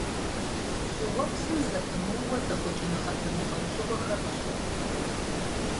ЩӀыуэпсым зэпымыууэ зэхъукӀэныгъэ зэмылӀэужьыгъуэхэр къыщохъу.